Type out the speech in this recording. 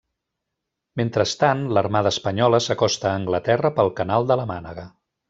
Mentrestant, l'Armada espanyola s'acosta a Anglaterra pel Canal de la Mànega.